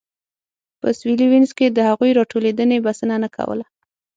په سوېلي ویلز کې د هغوی راټولېدنې بسنه نه کوله.